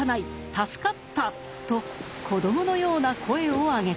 助かった」と子どものような声を上げた。